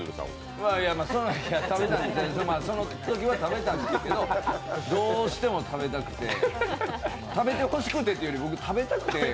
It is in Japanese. そのときは食べたんですけどどうしても食べたくて、食べてほしくてというよりも僕食べたくて。